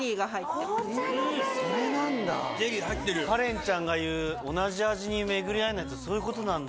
それなんだカレンちゃんが言う同じ味に巡り合えないってそういうことなんだ。